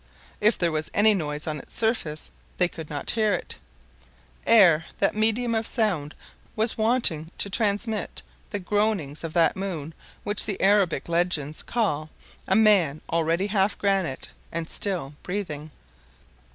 If there was any noise on its surface, they could not hear it. Air, that medium of sound, was wanting to transmit the groanings of that moon which the Arabic legends call "a man already half granite, and still breathing."